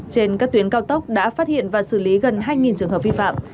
trên các tuyến cao tốc đã phát hiện và xử lý gần hai trường hợp vi phạm